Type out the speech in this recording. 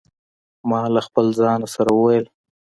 ما له خپل ځانه سره وویل.